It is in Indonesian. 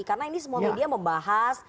karena ini semua media membahas